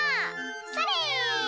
それ！